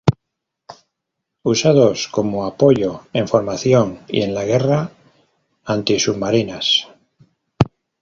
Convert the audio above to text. Usados como apoyo en formación y en la guerra antisubmarinas.